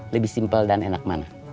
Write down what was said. lebih simpel dan enak mana